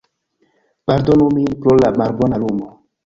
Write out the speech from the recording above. Pardonu min pro la malbona lumo